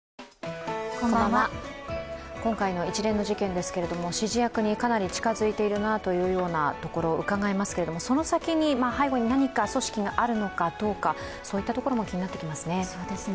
今回の一連の事件ですけれども、指示役にかなり近付いているなというようなところがうかがえますけれどもその先に、背後に何か組織があるのかどうか、そういったところも気になってきますね。